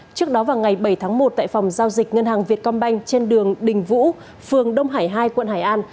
trước đó vào ngày bảy tháng một tại phòng giao dịch ngân hàng việt công banh trên đường đình vũ phường đông hải hai quận hải an